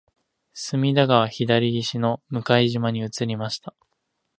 隅田川左岸の向島に移りました